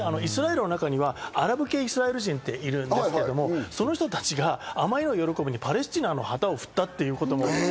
そしてイスラエルの中にはアラブ系イスラエル人がいるんですけれども、そういう人たちがあまりの喜びにパレスチナの旗を振った。